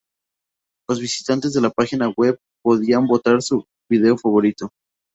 Los visitantes de la página web podían votar su video favorito.